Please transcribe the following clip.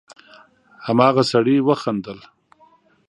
هماغه سړي وخندل: